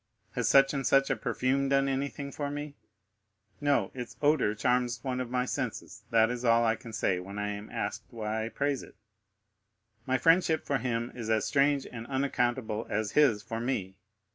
Has such and such a perfume done anything for me? No; its odor charms one of my senses—that is all I can say when I am asked why I praise it. My friendship for him is as strange and unaccountable as his for me.